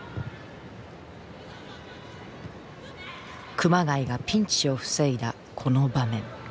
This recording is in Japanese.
熊谷がピンチを防いだこの場面。